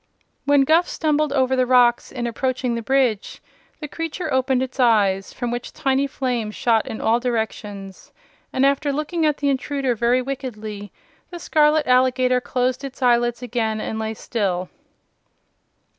When Guph stumbled over the rocks in approaching the bridge the creature opened its eyes, from which tiny flames shot in all directions, and after looking at the intruder very wickedly the scarlet alligator closed its eyelids again and lay still.